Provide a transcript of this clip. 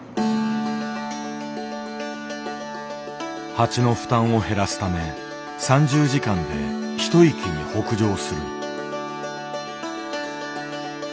蜂の負担を減らすため３０時間で一息に北上する。